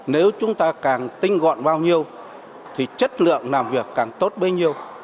nếu chúng ta càng tinh gọn bao nhiêu thì chất lượng làm việc càng tốt bao nhiêu